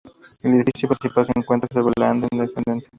El edificio principal se encuentra sobre el anden ascendente.